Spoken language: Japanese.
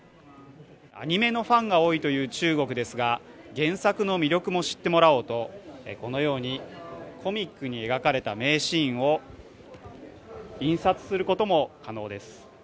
アニメのファンが多いという中国ですが、原作の魅力も知ってもらおうとこのようにコミックに描かれた名シーンを印刷することも可能です。